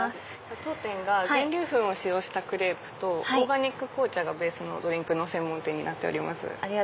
当店が全粒粉を使用したクレープとオーガニック紅茶がベースのドリンクの専門店になってます。